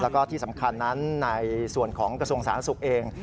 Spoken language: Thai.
แล้วก็ที่สำคัญนั้นในส่วนของกระทรวงสาธารณสุขเอง